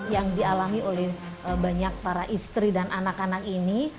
yang dialami oleh banyak para istri dan anak anak ini